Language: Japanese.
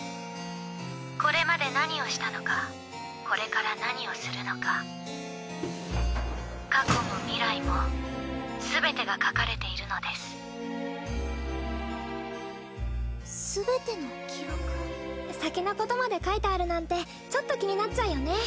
これまで何をしたのかこれから何をするのか過去も未来も全てが書かれているのです全ての記録先のことまで書いてあるなんてちょっと気になっちゃうよね